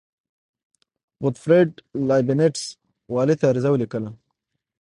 غوتفریډ لایبینټس والي ته عریضه ولیکله.